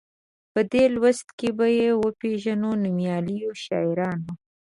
په دې لوست کې به یې وپيژنو نومیالیو شاعرانو.